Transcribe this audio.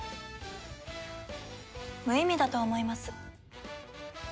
無意味だと思います。